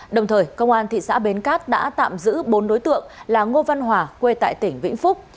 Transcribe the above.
đồng thời công an thị xã bến cát đã tạm giữ bốn đối tượng là ngô văn hòa quê tại tỉnh vĩnh phúc